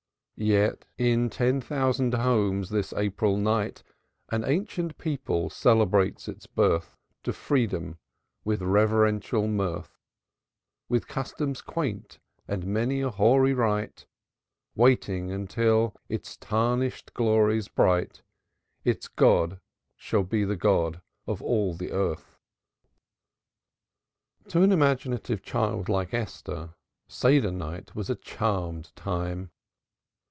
Yet in ten thousand homes this April night An ancient people celebrates its birth To Freedom, with a reverential mirth, With customs quaint and many a hoary rite, Waiting until, its tarnished glories bright, Its God shall be the God of all the Earth." To an imaginative child like Esther, Seder night was a charmed time.